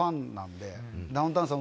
ダウンタウンさん